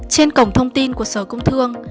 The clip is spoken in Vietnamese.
trên cổng thông tin của sở công thương